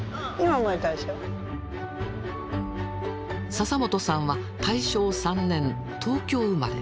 笹本さんは大正３年東京生まれ。